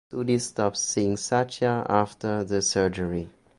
Sudhi stops seeing Satya after the surgery.